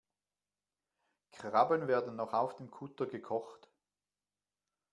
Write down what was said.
Krabben werden noch auf dem Kutter gekocht.